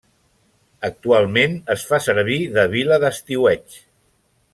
Actualment es fa servir de vila d'estiueig.